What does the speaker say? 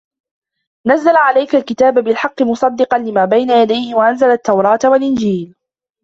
نَزَّلَ عَلَيْكَ الْكِتَابَ بِالْحَقِّ مُصَدِّقًا لِمَا بَيْنَ يَدَيْهِ وَأَنْزَلَ التَّوْرَاةَ وَالْإِنْجِيلَ